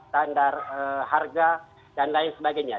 standar harga dan lain sebagainya